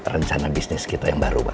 rencana bisnis kita yang baru